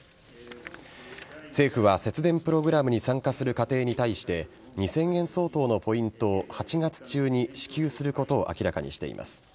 政府は節電プログラムに参加する家庭に対して２０００円相当のポイントを８月中に支給することを明らかにしています。